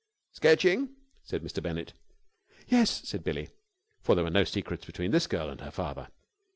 "Sketching?" said Mr. Bennett. "Yes," said Billie, for there were no secrets between this girl and her father.